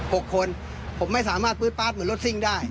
คนผมไม่สามารถปื๊ดป๊าดเหมือนรถซิ่งได้